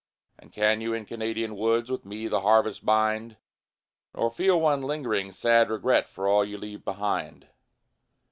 And can you in Canadian woods With me the harvest bind, Nor feel one lingering, sad regret For all you leave behind?